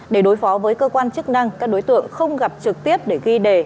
để đối phó với cơ quan chức năng các đối tượng không gặp trực tiếp để ghi đề